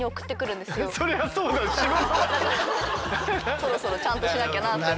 そろそろちゃんとしなきゃなと。